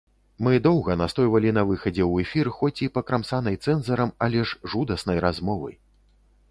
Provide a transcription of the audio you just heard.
Мы доўга настойвалі на выхадзе ў эфір хоць і пакрамсанай цэнзарам, але жудаснай размовы.